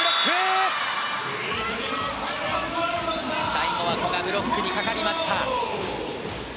最後は古賀ブロックにかかりました。